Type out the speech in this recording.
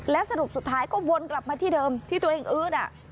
และสรุปสุดท้ายก็วนกลับมาที่เดิมที่ตัวเองอืด